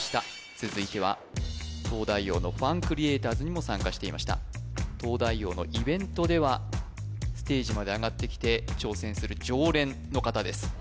続いては東大王のファンクリエイターズにも参加していました東大王のイベントではステージまで上がってきて挑戦する常連の方です